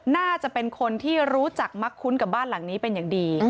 น่าจะเป็นคนที่รู้จักมักคุ้นกับบ้านหลังนี้เป็นอย่างดี